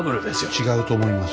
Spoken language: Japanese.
違うと思います。